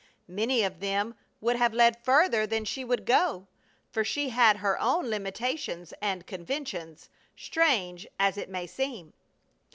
Many of them would have led further than she would go, for she had her own limitations and conventions, strange as it may seem.